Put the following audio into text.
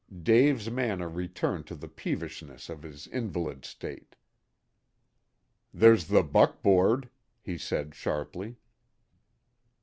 Dave's manner returned to the peevishness of his invalid state. "There's the buckboard," he said sharply.